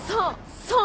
そう！